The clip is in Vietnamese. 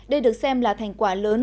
đây được xem là thành quả lớn